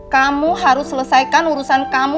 kamu harus selesaikan urusan kamu